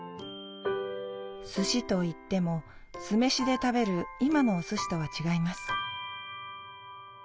すしといっても酢飯で食べる今のおすしとは違います